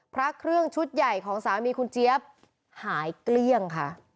พระเครื่องชุดใหญ่ของสามีคุณเจี๊ยบหายเกลี้ยงค่ะ